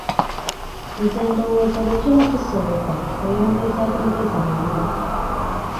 Nze ndowooza bwe kiba kisoboka oyongeza bwongeza muliro.